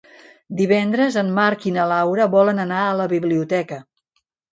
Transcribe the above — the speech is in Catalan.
Divendres en Marc i na Laura volen anar a la biblioteca.